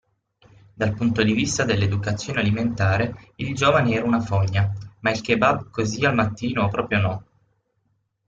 Dal punto di vista dell'educazione alimentare, il giovane era una fogna, ma il kebab così al mattino proprio no.